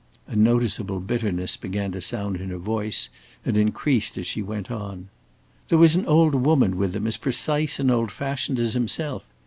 A noticeable bitterness began to sound in her voice and increased as she went on. "There was an old woman with him as precise and old fashioned as himself.